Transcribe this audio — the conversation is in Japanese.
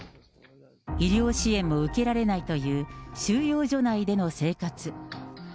医療支援も受けられないという収容所内での生活。